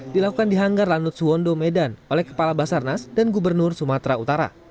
dilakukan di hanggar lanut suwondo medan oleh kepala basarnas dan gubernur sumatera utara